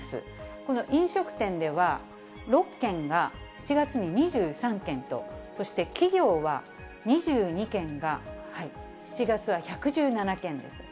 この飲食店では、６件が、７月に２３件と、そして企業は２２件が７月は１１７件です。